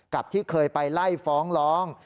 ที่เคยไปไล่ฟ้องร้อง